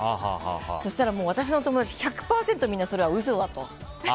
そしたらもう私の友達、１００％みんな、それは嘘だと。